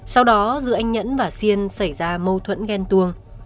sau đó giữa anh nhẫn và xiên xảy ra mâu thuẫn ghen tuông